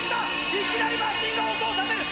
いきなりマシンが音を立てる！